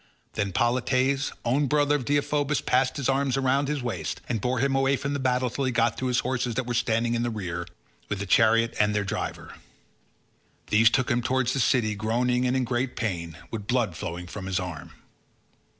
Then Polites, own brother of Deiphobus passed his arms around his waist, and bore him away from the battle till he got to his horses that were standing in the rear of the fight with the chariot and their driver. These took him towards the city groaning and in great pain, with the blood flowing from his arm.